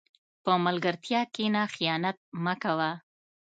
په ملګرتیا کښېنه، خیانت مه کوه.